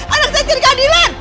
anak saya ciri keadilan